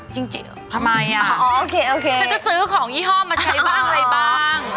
จริงทำไมอ่ะฉันก็ซื้อของยี่ห้อมาใช้บ้างอะไรบ้าง